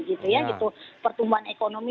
gitu ya pertumbuhan ekonomi